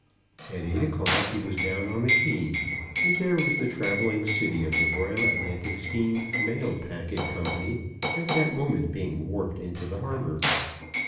At eight o'clock he was down on the quay, and there was the travelling city of the Royal Atlantic Steam Mail Packet Company at that moment being warped into the harbour.